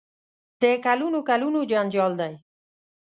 د کلونو کلونو جنجال دی.